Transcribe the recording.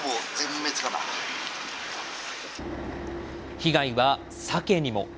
被害はサケにも。